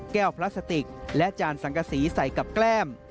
พลาสติกและจานสังกษีใส่กับแก้ม